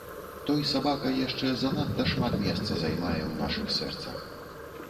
Той сабака яшчэ занадта шмат месца займае ў нашых сэрцах.